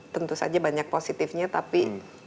tentu saja banyak positifnya tapi